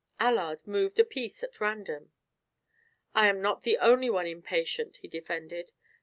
Allard moved a piece at random. "I am not the only one impatient," he defended.